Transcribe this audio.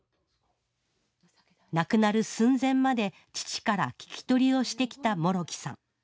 亡くなる寸前まで父から聞き取りをしてきた衆樹さん。